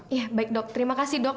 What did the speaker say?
ya baik dok terima kasih dok